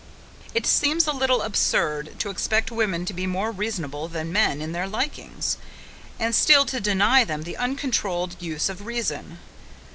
It seems a little absurd to expect women to be more reasonable than men in their LIKINGS, and still to deny them the uncontroled use of reason.